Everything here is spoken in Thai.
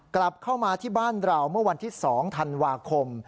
กลับเข้ามาที่บ้านเราเมื่อวันที่๒ธันวาคม